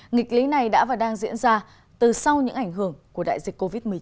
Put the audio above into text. nghịch lý này đã và đang diễn ra từ sau những ảnh hưởng của đại dịch covid một mươi chín